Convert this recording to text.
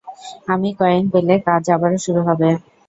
আমি কয়েন পেলে, কাজ আবারও শুরু হবে।